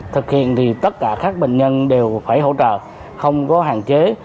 ở bệnh viện thì tất cả các bệnh nhân đều phải hỗ trợ không có hạn chế